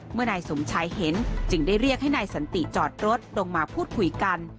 เมื่อนายสมชายเห็นจึงได้เรียกให้นายสันติจอดรถลงมาพูดคุยกัน